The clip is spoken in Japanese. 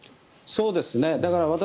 そうですね。